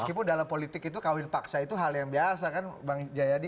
meskipun dalam politik itu kawin paksa itu hal yang biasa kan bang jayadi